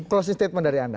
closing statement dari anda